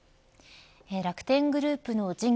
楽天グループの事業